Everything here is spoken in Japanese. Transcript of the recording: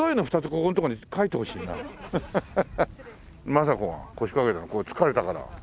政子が腰掛けたのこれ疲れたから。